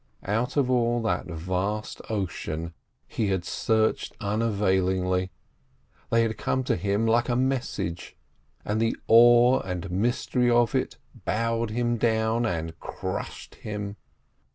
Out of all that vast ocean he had searched unavailingly: they had come to him like a message, and the awe and mystery of it bowed him down and crushed him.